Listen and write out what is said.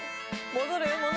戻る？